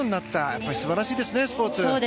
やっぱり、素晴らしいですねスポーツって。